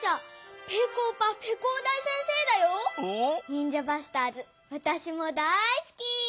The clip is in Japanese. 「ニンジャ・バスターズ」わたしもだいすき。